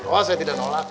wah saya tidak nolak